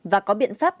và có biện pháp